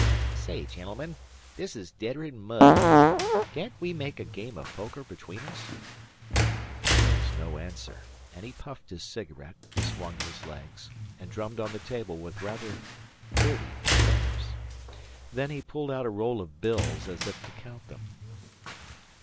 "Say, gen'elmen, this is deader'n mud. Can't we make a game of poker between us?" There was no answer, and he puffed his cigarette, swung his legs, and drummed on the table with rather dirty fingers. Then he pulled out a roll of bills as if to count them.